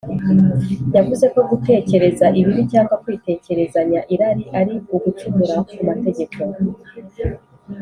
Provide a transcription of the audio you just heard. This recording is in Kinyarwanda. yavuze ko gutekereza ibibi cyangwa kwitegerezanya irari ari ugucumura ku mategeko